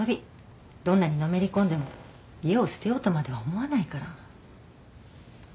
どんなにのめりこんでも家を捨てようとまでは思わないから。